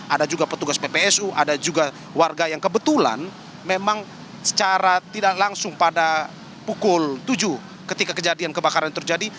ada juga petugas ppsu ada juga warga yang kebetulan memang secara tidak langsung pada pukul tujuh ketika kejadian kebakaran terjadi